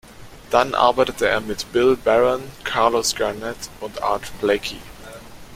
Dann arbeitete er mit Bill Barron, Carlos Garnett und Art Blakey.